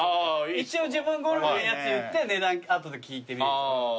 一応自分好みのやつ言って値段後で聞いてみる。